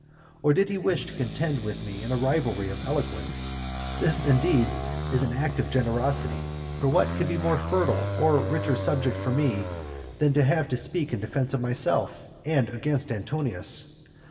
Or did he wish to contend with me in a rivalry of eloquence? This, indeed, is an act of generosity; for what could be a more fertile or richer subject for me, than to have to speak in defence of myself, and against Antonius?